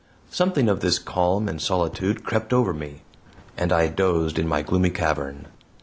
Something of this calm and solitude crept over me, and I dozed in my gloomy cavern.